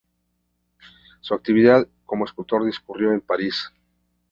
Su actividad como escultor discurrió en París.